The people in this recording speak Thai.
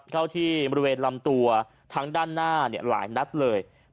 เข้าที่บริเวณลำตัวทั้งด้านหน้าหลายนัดเลย